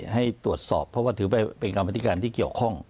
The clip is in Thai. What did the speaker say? ให้ตรวจสอบเพราะว่าถือไปเป็นกรรมธิการที่เกี่ยวข้อง